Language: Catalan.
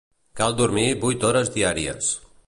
Cal dormir vuit hores diàries.